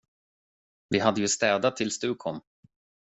Vi hade ju städat tills du kom.